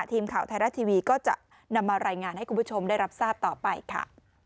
ทีมข่าวไทยรัฐทีวีก็จะนำมารายงานให้คุณผู้ชมได้รับทราบต่อไปค่ะ